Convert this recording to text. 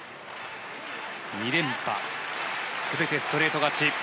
２連覇全てストレート勝ち。